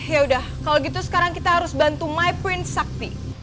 yaudah kalo gitu sekarang kita harus bantu my prince sakti